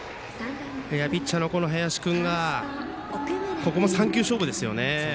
ピッチャーの林君がここも３球勝負ですね。